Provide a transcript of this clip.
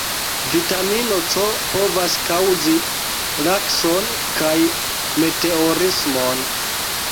Vitamino C povas kaŭzi lakson kaj meteorismon.